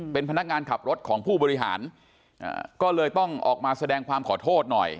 เป็นพนักงานขับรถของผู้บริหารก็เลยต้องออกมาแสดงความขอโทษหน่อย